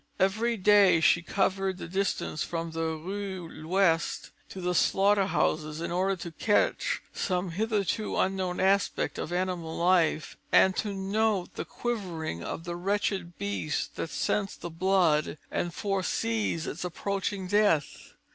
Every day she covered the distance from the Rue de l'Ouest to the slaughter houses in order to catch some hitherto unknown aspect of animal life, and to note the quivering of the wretched beast that scents the blood and foresees its approaching death.